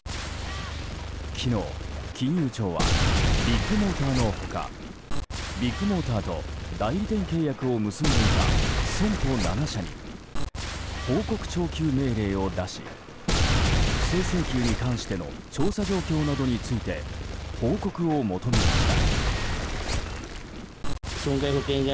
昨日、金融庁はビッグモーターの他ビッグモーターと代理店契約を結んでいた損保７社に報告徴求命令を出し不正請求に関しての調査状況などについて報告を求めました。